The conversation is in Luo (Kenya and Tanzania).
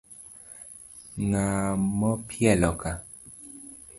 Ng'a mo pielo ka?